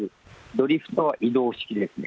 ドリフトは移動式ですね。